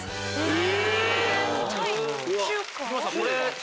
え！